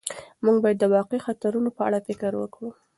موږ باید د واقعي خطرونو په اړه فکر وکړو.